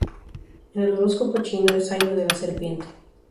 En el horóscopo chino es Año de la Serpiente.